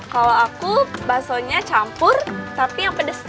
kalau aku baksonya campur tapi yang pedes